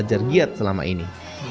belajar giat selama ini